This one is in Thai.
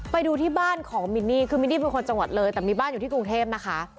ไปดูที่บ้านของมินนี่คือมินนี่เป็นคนจังหวัดเลยแต่มีบ้านอยู่ที่กรุงเทพนะคะ